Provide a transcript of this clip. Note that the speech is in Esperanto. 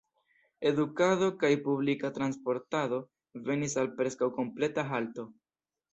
Edukado kaj publika transportado venis al preskaŭ kompleta halto.